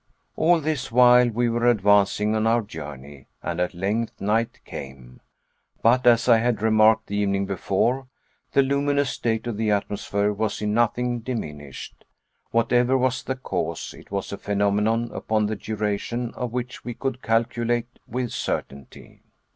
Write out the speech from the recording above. All this while we were advancing on our journey; and at length night came; but as I had remarked the evening before, the luminous state of the atmosphere was in nothing diminished. Whatever was the cause, it was a phenomenon upon the duration of which we could calculate with certainty.